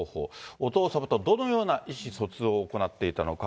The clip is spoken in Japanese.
お父様とどのような意思疎通を行っていたのか。